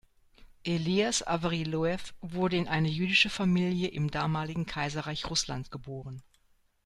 Elias Avery Loew wurde in eine jüdische Familie im damaligen Kaiserreich Russland geboren.